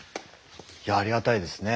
いやありがたいですね。